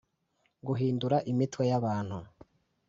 guhindura imitwe yabantu